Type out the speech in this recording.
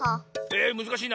えむずかしいな。